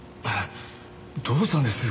どうしたんです？